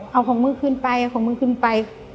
เอาของมึงขึ้นไปเอาของมึงขึ้นไป